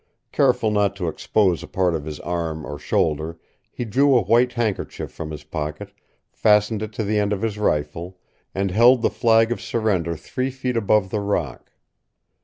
Careful not to expose a part of his arm or shoulder, he drew a white handkerchief from his pocket, fastened it to the end of his rifle, and held the flag of surrender three feet above the rock.